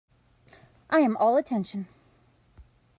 I am all attention.